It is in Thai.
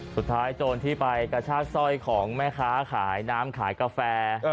สุดท้ายโจรที่ไปกระชากซ่อยของแม่คะขายน้ำขายกาแฟ